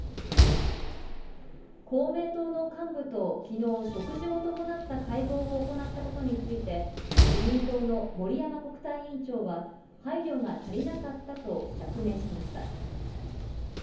公明党の幹部ときのう、食事を伴った会合を行ったことについて、自民党の森山国対委員長は、配慮が足りなかったと釈明しました。